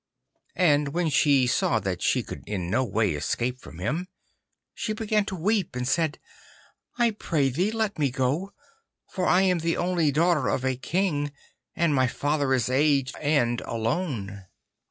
And when she saw that she could in no way escape from him, she began to weep, and said, 'I pray thee let me go, for I am the only daughter of a King, and my father is aged and alone.